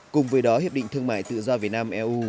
cùng với đó hiệp định thương mại tự do việt nam eu